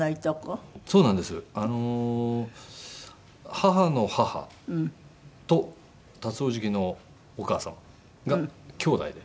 母の母と辰おじきのお母様がきょうだいで。